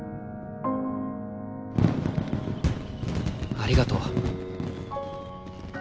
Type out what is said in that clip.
ありがとう。